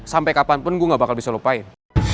sampai kapanpun gue gak bakal bisa lupain